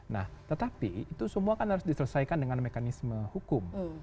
nah tetapi itu semua kan harus diselesaikan dengan mekanisme hukum